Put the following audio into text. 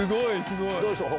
どうでしょう？